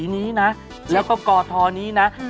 นี่ไง